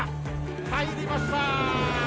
入りました。